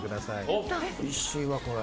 おいしいわこれ。